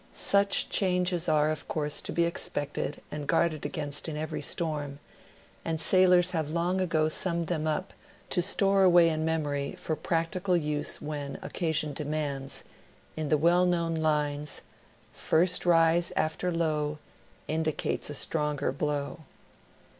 Such' changes are, of course, to be expected and guarded against in every storm, and sailors have long ago summed them up, to store away in memory for practical use when occasion demands, in the well known lines, — "First rise after low Indicates a stronger blow."